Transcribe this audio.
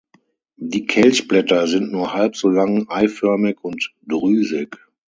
Die Kelchblätter sind nur halb so lang, eiförmig und drüsig.